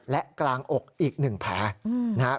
และกลางอกอีก๑แผลนะครับ